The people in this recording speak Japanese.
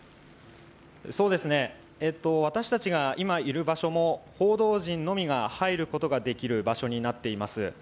私たちが今いる場所も報道陣のみが入ることができる場所になっています。